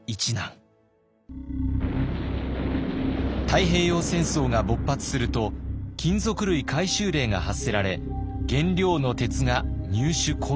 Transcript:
太平洋戦争が勃発すると金属類回収令が発せられ原料の鉄が入手困難に。